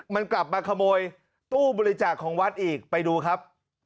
มันกลับมาขโมยตู้บริจาคของวัดอีกไปดูครับ